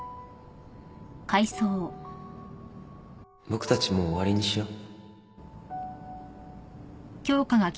僕たちもう終わりにしよう